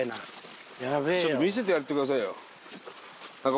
ちょっと見せてやってくださいよ中岡君。